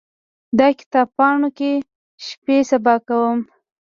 د کتاب پاڼو کې شپې سبا کومه